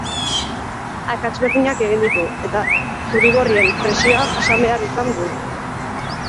Akats berdinak egin ditu, eta zurigorrien presioa jasan behar izan du.